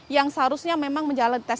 yang seharusnya memang menjalani tes